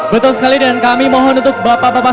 betul sekali dan kami mohon untuk bapak bapak